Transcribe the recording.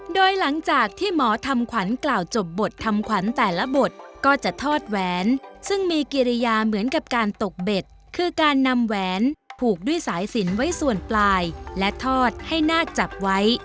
โดยหลังจากที่หมอทำขวัญกล่าวจบบททำขวัญแต่ละบทก็จะทอดแหวนซึ่งมีกิริยาเหมือนกับการตกเบ็ดคือการนำแหวนผูกด้วยสายสินไว้ส่วนปลายและทอดให้นาคจับไว้